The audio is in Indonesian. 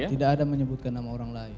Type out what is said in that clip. tidak ada menyebutkan nama orang lain